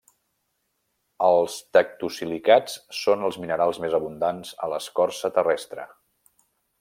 Els tectosilicats són els minerals més abundants a l'escorça terrestre.